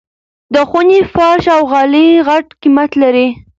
د خوني فرش او غالۍ غټ قيمت لري.